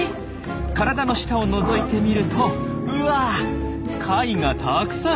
体の下をのぞいてみるとうわ貝がたくさん！